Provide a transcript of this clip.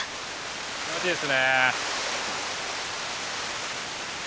気持ちいいですね。